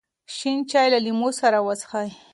شین چای له لیمو سره وڅښئ.